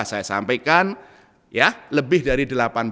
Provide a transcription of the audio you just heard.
saya sampaikan ya lebih dari delapan puluh